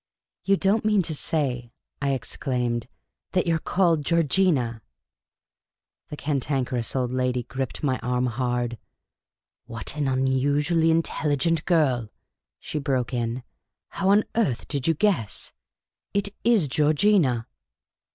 "You don't mean to say," I exclaimed, " that you 're called Geor gina ?" The Cantankerous Old Lady gripped my arm hard. What an unusually intelligent girl !" she broke in. " How on earth did you guess ? It is Georgina."